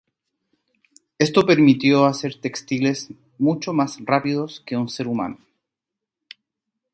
Esto permitió hacer textiles mucho más rápido que un ser humano.